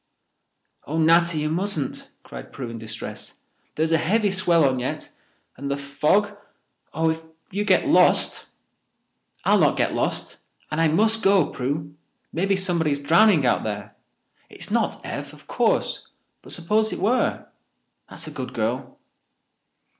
"Oh, Natty, you mustn't," cried Prue in distress. "There's a heavy swell on yet—and the fog—oh, if you get lost—" "I'll not get lost, and I must go, Prue. Maybe somebody is drowning out there. It's not Ev, of course, but suppose it were! That's a good girl."